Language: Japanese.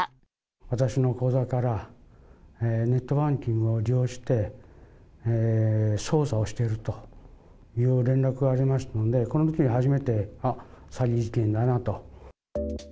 私の口座からネットバンキングを利用して、操作をしているという連絡がありましたので、このときに初めて、あっ、詐欺事件だなと。